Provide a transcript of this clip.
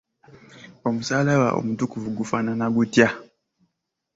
Omusaalaba omutukuvu gufaanana gutya?